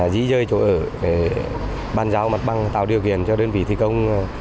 dĩ dơi chỗ ở để bàn giao mặt bằng tạo điều kiện cho đơn vị thi công